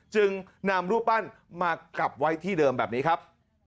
จึงนำรูปปั้นมากลับไว้ที่เดิมแบบนี้ครับ